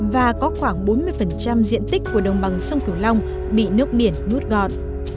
và có khoảng bốn mươi diện tích của đồng bằng sông kiều long bị nước biển nuốt gọn